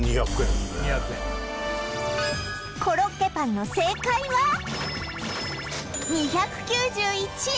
コロッケパンの正解は２９１円